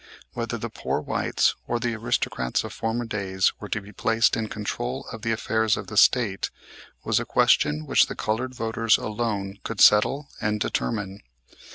Whether the poor whites or the aristocrats of former days were to be placed in control of the affairs of the State was a question which the colored voters alone could settle and determine.